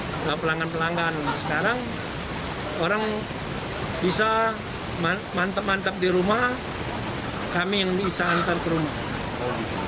tidak pelanggan pelanggan sekarang orang bisa mantap mantap di rumah kami yang bisa antar ke rumah